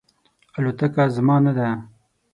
الوتکه زما نه ده